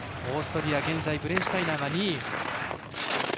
オーストリアは現在ブレンシュタイナーが２位。